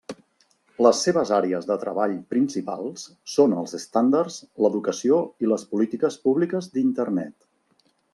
Les seves àrees de treball principals són els estàndards, l'educació i les polítiques públiques d'Internet.